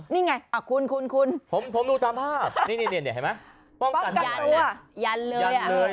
นี่ไงคุณคุณผมดูตามภาพนี่เห็นไหมป้องกันยันนะยันเลยอ่ะ